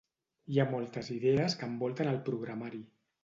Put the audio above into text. Hi ha moltes idees que envolten al programari.